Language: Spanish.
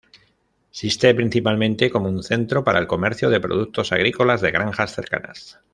Existe principalmente como un centro para el comercio de productos agrícolas de granjas cercanas.